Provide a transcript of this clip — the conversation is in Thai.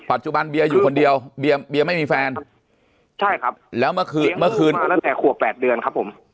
ปัจจุบันเบียบ้านอยู่คนเดียวเบียบ้านไม่มีแฟนใช่ครับแล้วเมื่อคืนมาตั้งแต่คั่ว๘เดือนครับผม